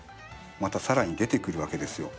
またさらに出てくるわけですよ。